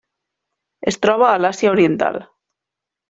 Es troba a l'Àsia Oriental.